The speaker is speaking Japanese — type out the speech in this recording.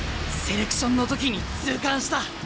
セレクションの時に痛感した。